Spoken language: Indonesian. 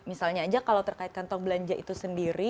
misalnya aja kalau terkaitkan talk belanja itu sendiri